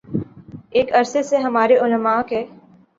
ایک عرصے سے ہمارے علما کے